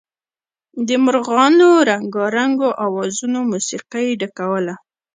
د مارغانو رنګارنګو اوازونو موسيقۍ ډکوله.